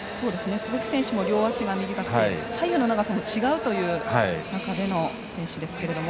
鈴木選手も両足が短くて左右の長さも違うという中での選手ですが。